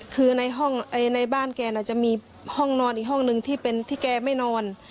คือในห้องในบ้านแกจะมีห้องนอนอีกห้องหนึ่งที่เป็นที่แกไม่นอน